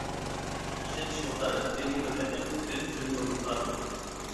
ئىشلىتىش مىقدارى: كۈنىگە بىر قېتىم كۆزگە سۈرمە ئورنىدا تارتىلىدۇ.